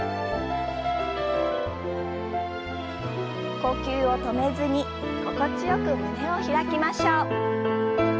呼吸を止めずに心地よく胸を開きましょう。